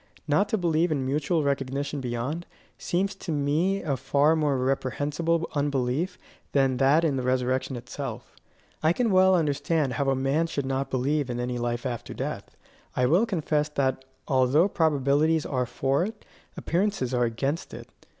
Not to believe in mutual recognition beyond, seems to me a far more reprehensible unbelief than that in the resurrection itself. I can well understand how a man should not believe in any life after death. I will confess that although probabilities are for it, appearances are against it.